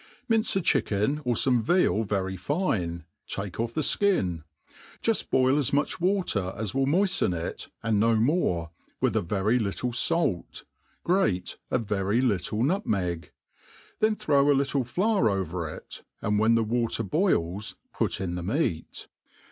MINCE a chicken, or fomc veal very fine, take oflFthe fkin; joAboil as much water as will moiflen it, and no more, with a very Jittle fait, grate a very little nutmeg ; then throw a little flour over it, and when the water boils put in the meat.